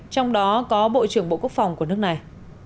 trong đó có bộ trưởng bộ quốc phòng của nước này